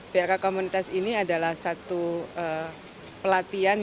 phk komunitas ini adalah satu pelatihan